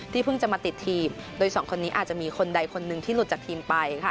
เพิ่งจะมาติดทีมโดยสองคนนี้อาจจะมีคนใดคนหนึ่งที่หลุดจากทีมไป